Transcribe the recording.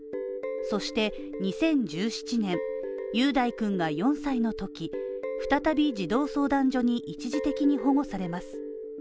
そして２０１７年、雄大君が４歳のとき再び、児童相談所に一時的に保護されます。